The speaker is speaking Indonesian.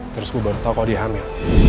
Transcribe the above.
terus gue baru tau kalau dia hamil